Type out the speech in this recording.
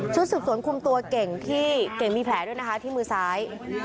สืบสวนคุมตัวเก่งที่เก่งมีแผลด้วยนะคะที่มือซ้าย